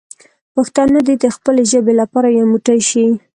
پښتانه دې د خپلې ژبې لپاره یو موټی شي.